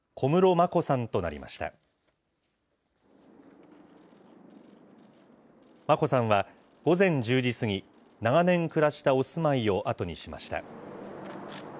眞子さんは午前１０時過ぎ、長年暮らしたお住まいを後にしました。